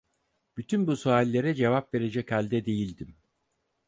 Bütün bu suallere cevap verecek halde değildim.